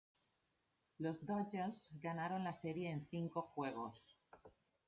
Los Dodgers ganaron la Serie en cinco juegos.